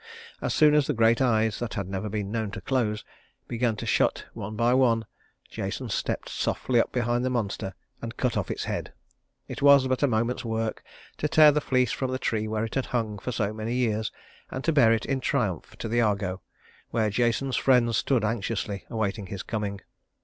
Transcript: As soon as the great eyes that had never been known to close began to shut one by one, Jason stepped softly up behind the monster and cut off its head. It was but a moment's work to tear the fleece from the tree where it had hung for so many years, and to bear it in triumph to the Argo, where Jason's friends stood anxiously awaiting his coming.